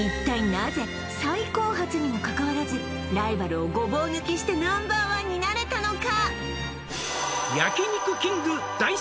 なぜ最後発にもかかわらずライバルをごぼう抜きしてＮｏ．１になれたのか？